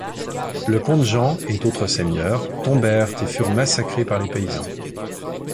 Le comte Jean et d'autres seigneurs tombèrent et furent massacrés par les paysans.